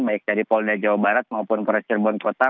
baik dari polda jawa barat maupun polres cirebon kota